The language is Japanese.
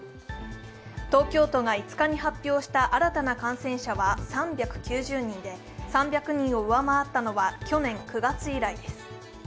東京都が５日に発表した新たな感染者は３９０人で、３００人を上回ったのは去年９月以来です。